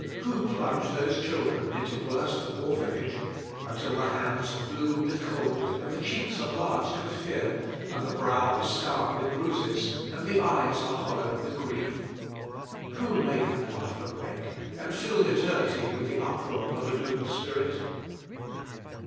Who plunged those children into worse than orphanage until the hands are blue with cold, and the cheeks are blanched with fear, and the brow is scarred with bruises, and the eyes are hollow with grief? Who made that life a wreck, and filled eternity with the uproar of a doomed spirit?